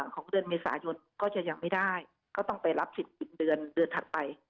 ของเดือนเมษายนก็จะยังไม่ได้ก็ต้องไปรับสิทธิ์อีกเดือนเดือนถัดไป